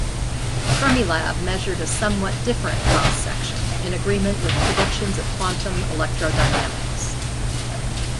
Fermilab measured a somewhat different cross section, in agreement with predictions of quantum electrodynamics.